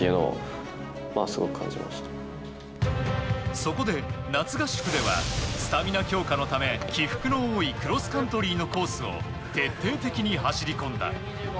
そこで夏合宿ではスタミナ強化のため起伏の多いクロスカントリーのコースを徹底的に走りこんだ。